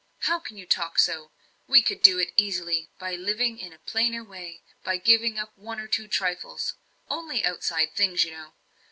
"How can you talk so! We could do it easily, by living in a plainer way; by giving up one or two trifles. Only outside things, you know.